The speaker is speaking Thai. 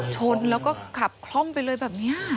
ชนแล้วก็ขับคล่อมไปเลยแบบนี้